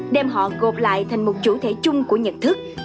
đem họ gộp lại thành một chủ thể chung của nhận thức